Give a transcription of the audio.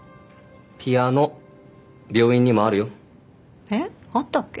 ピアノ病院にもあるよえっ？あったっけ？